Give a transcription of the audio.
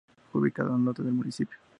Ubicado al norte del municipio.